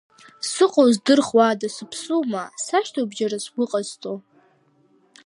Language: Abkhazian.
Сыҟоу здырхуада, сыԥсу ма, сашьҭоуп џьара сгәы ҟазҵо.